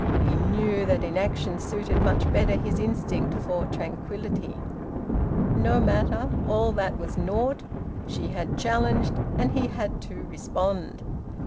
He knew that inaction suited much better his instinct for tranquillity. No matter! All that was naught. She had challenged, and he had to respond.